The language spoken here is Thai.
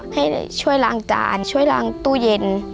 ให้ช่วยล้างจานช่วยล้างตู้เย็น